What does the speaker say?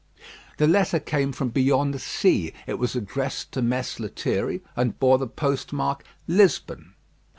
The letter came from beyond sea; it was addressed to Mess Lethierry, and bore the postmark "Lisbon."